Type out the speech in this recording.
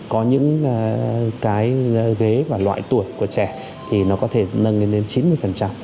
có những cái ghế và loại tuổi của trẻ thì nó có thể nâng lên đến chín mươi